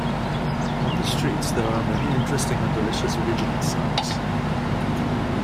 On the streets, there are many interesting and delicious regional snacks.